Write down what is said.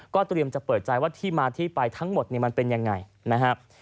เตรียมจะเปิดใจว่าที่มาที่ไปทั้งหมดมันเป็นยังไงนะครับ